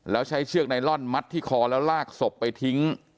แล้วใช้เชือกไนลอนมัดที่คอแล้วลากศพไปทิ้ง